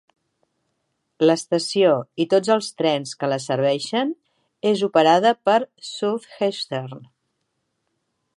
L'estació, i tots els trens que la serveixen, és operada per Southeastern.